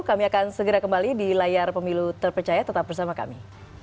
kami akan segera kembali di layar pemilu terpercaya tetap bersama kami